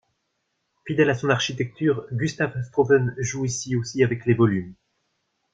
Fidèle à son architecture, Gustave Strauven joue ici aussi avec les volumes.